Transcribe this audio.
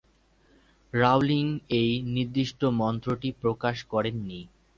Rowling এই নির্দিষ্ট মন্ত্রটি প্রকাশ করেননি।